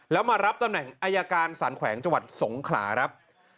แล้วมารับตำแหน่งอายการสารแขวงจังหวัดสงขลาครับ